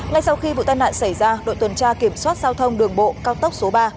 ngay sau khi vụ tai nạn xảy ra đội tuần tra kiểm soát giao thông đường bộ cao tốc số ba